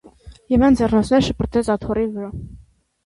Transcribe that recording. - Եվան ձեռնոցները շպրտեց աթոռի վրա: